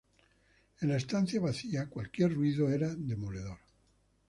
En la estancia vacía cualquier ruido era demoledor